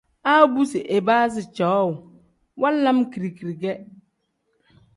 A bu si ibaazi cowuu wanlam kiri-kiri ge.